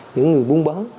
những người buôn bán